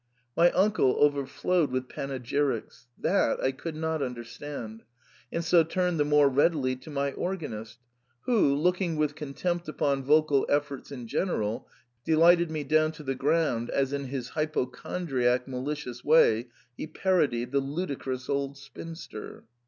My uncle over flowed with panegyrics ; that I could not understand, and so turned the more readily to my organist, who, looking with contempt upon vocal efforts in general, delighted me down to the ground as in his hypochon driac malicious way he parodied the ludicrous old spin ster.